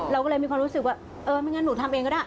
เราก็เลยมีความรู้สึกว่าเออไม่งั้นหนูทำเองก็ได้